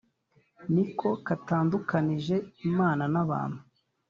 niko katandukanije Imana n’abantu,